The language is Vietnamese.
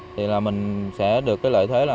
thì là mình sẽ được cái lợi thế là